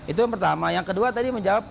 itu yang pertama yang kedua tadi menjawab